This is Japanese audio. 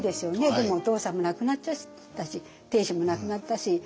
でもお父さんも亡くなっちゃったし定子も亡くなったし。